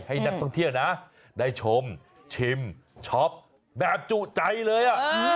ให้นักท่องเที่ยวนะได้ชมชิมช็อปแบบจุใจเลย